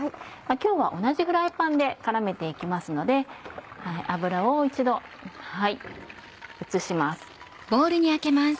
今日は同じフライパンで絡めて行きますので油を一度移します。